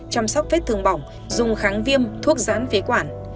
chăm sóc vết thương bỏng dùng kháng viêm thuốc giãn phế quản